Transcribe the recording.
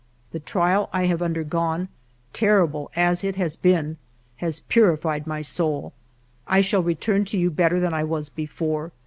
The trial I have undergone, terrible as it has been, has purified my soul. I shall return to you better than I was before.